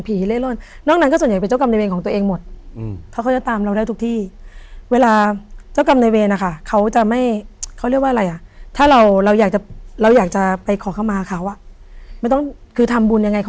ผีเล่นนอกนั้นก็ส่วนใหญ่เป็นเจ้ากรรมในเวียนของตัวเองหมด